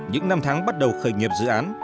những năm tháng bắt đầu khởi nghiệp dự án